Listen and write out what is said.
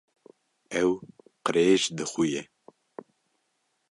Ew qirêj dixuye.